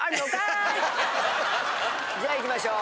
じゃあいきましょう。